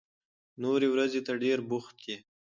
نورې ورځې ته ډېر بوخت يې.